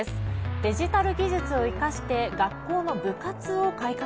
デジタル技術を生かして学校の部活を改革。